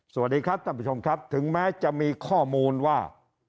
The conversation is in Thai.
สวัสดีครับท่านผู้ชมครับถึงแม้จะมีข้อมูลว่า